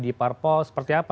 di parpol seperti apa